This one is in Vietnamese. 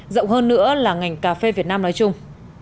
rộng hơn nữa là ngành cà phê việt nam nói chung